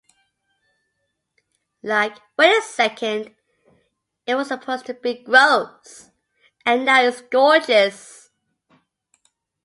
Like 'wait a second, it was supposed to be gross, and now it's gorgeous'.